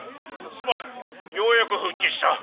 すまんようやく復帰した」。